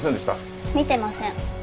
見てません。